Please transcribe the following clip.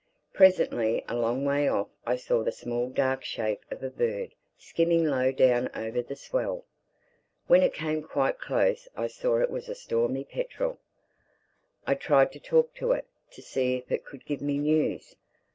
Presently a long way off I saw the small dark shape of a bird skimming low down over the swell. When it came quite close I saw it was a Stormy Petrel. I tried to talk to it, to see if it could give me news.